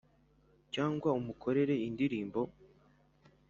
cyangwa umukorere indirimbo